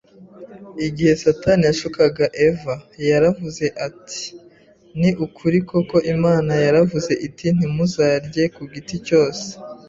Igihe Satani yashukaga Eva, yaravuze ati : “Ni ukuri koko Imana yaravuze iti: ‘Ntimuzarye ku giti cyose